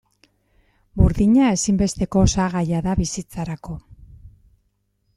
Burdina ezinbesteko osagaia da bizitzarako.